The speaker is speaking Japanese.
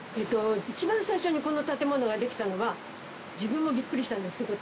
一番最初にこの建物ができたのは自分もびっくりしたんですけど。